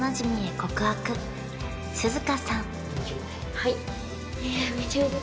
はい